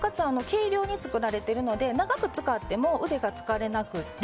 軽量に作られているので長く使っても腕が疲れなくて。